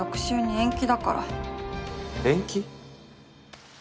延期？